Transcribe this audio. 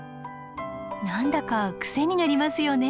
何だかクセになりますよね？